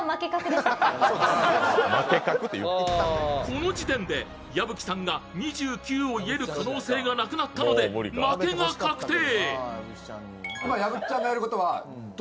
この時点で矢吹さんが言える可能性がなくなったので負けが確定。